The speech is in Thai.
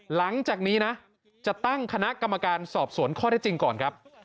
หลังจากนี้นะจะตั้งคณะกรรมการสอบสวนข้อได้จริงก่อนครับ